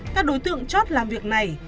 các đối tượng chót làm việc này